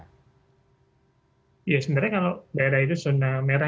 ya sebenarnya kalau daerah itu zona merah